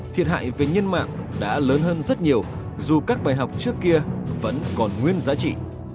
thiệt hại về nhân mạng đã lớn hơn rất nhiều dù các bài học trước kia vẫn còn nguyên giá trị